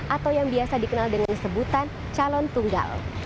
atau yang biasa dikenal dengan sebutan calon tunggal